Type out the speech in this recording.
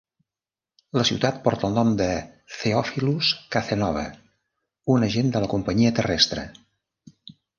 La ciutat porta el nom de Theophilus Cazenove, un agent de la companyia terrestre.